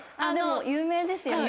有名ですよね？